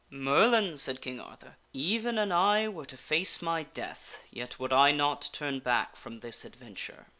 " Merlin," said King Arthur, " even an I were to face my death, yet would I not turn back from this adventure.